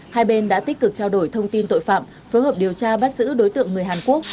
hai bên đã tích cực trao đổi thông tin tội phạm phối hợp điều tra bắt giữ đối tượng người hàn quốc